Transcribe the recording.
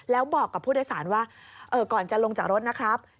แล้วบอกกับผู้โดยสารว่าก่อนจะลงจากรถนะครับ